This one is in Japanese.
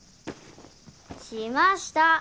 しました！